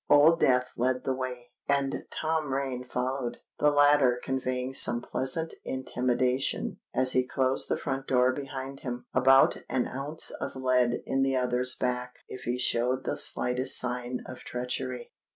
Old Death led the way, and Tom Rain followed, the latter conveying some pleasant intimation, as he closed the front door behind him, about an ounce of lead in the other's back if he showed the slightest sign of treachery.